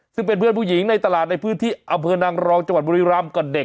ซึ่งเป็นเพื่อนผู้หญิงในตลาดในพื้นที่อำเภอนางรองจังหวัดบุรีรำกับเด็ก